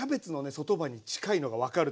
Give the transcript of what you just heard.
外葉に近いのが分かると思います。